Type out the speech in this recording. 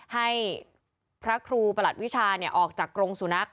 ให้พระครูประหลัดวิชาออกจากกรงสุนัข